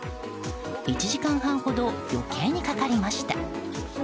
１時間半ほど余計にかかりました。